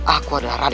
aku adalah raditya